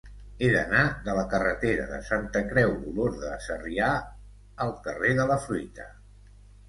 He d'anar de la carretera de Santa Creu d'Olorda a Sarrià al carrer de la Fruita.